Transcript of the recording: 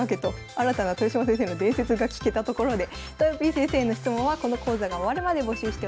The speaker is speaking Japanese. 新たな豊島先生の伝説が聞けたところでとよぴー先生への質問はこの講座が終わるまで募集しております。